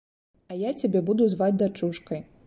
А я цябе буду зваць дачушкай.